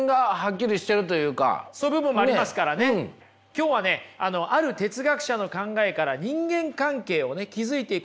今日はねある哲学者の考えから人間関係を築いていくヒント